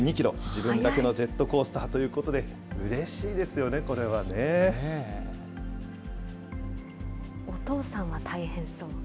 自分だけのジェットコースターということで、うれしいですよね、お父さんは大変そう。